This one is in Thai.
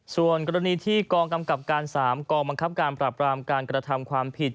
ส่วนกรณีที่กองกำกับการ๓กองบังคับการปราบรามการกระทำความผิด